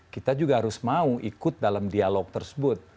kita juga harus mau ikut dalam dialog tersebut